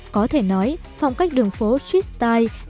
có thể nói phong cách đường phố street style